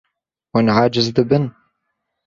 Hûn aciz dibin.